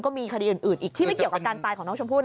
มีคดีอื่นอีกที่ไม่เกี่ยวกับการตายของน้องชมพู่นะ